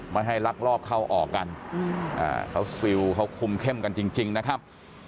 มาให้ลักลอบเขาออกกันเขาคุมเข้มกันจริงนะครับ